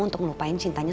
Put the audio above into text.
untuk ngelupain cintanya